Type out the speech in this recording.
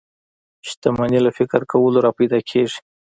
شتمني له فکر کولو را پيدا کېږي.